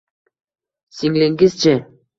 Singlingiz-chi?